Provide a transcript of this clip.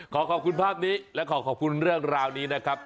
ขอขอบคุณภาพนี้และขอขอบคุณเรื่องราวนี้นะครับ